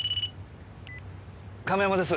亀山です。